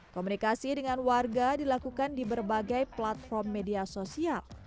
komunikasi dengan warga dilakukan di berbagai platform media sosial